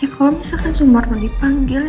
ya kalau misalkan semua orang dipanggil